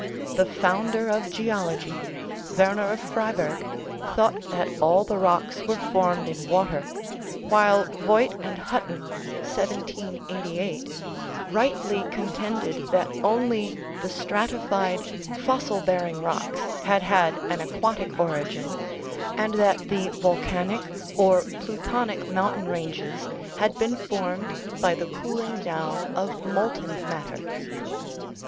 The founder of geology, Werner of Freiberg, thought that all the rocks were formed in water, while Voigt and Hutton (1788) rightly contended that only the stratified, fossil bearing rocks had had an aquatic ori gin, and that the Vulcanic or Plutonic mountain ranges had been formed by the cooling down of molten matter.